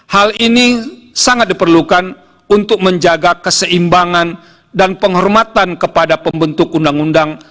hal ini sangat diperlukan untuk menjaga keseimbangan dan penghormatan kepada pembentuk undang undang